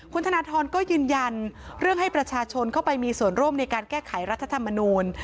คุณธนทรก็ยืนยันเรื่องให้ประชาชนเข้าไปมีส่วนร่วมในการแก้ไขรัฐธรรมนูล